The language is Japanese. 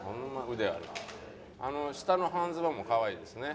あの下の半ズボンもかわいいですね。